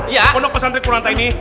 mind you pesantren kurang tahini